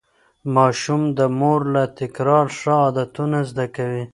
ماشوم د مور له تکرار ښه عادتونه زده کوي.